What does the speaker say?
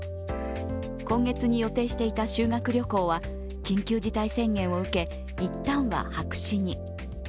今月に予定していた修学旅行は緊急事態宣言を受け、一旦は白紙に。